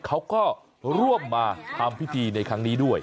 เขาก็ร่วมมาทำพิธีในครั้งนี้ด้วย